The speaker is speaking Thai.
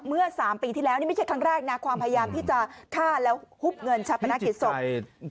เมื่อ๓ปีที่แล้วนี่ไม่ใช่ครั้งแรกนะความพยายามที่จะฆ่าแล้วหุบเงินชาปนกิจศพ